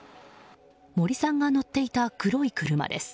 森さんが乗っていた黒い車です。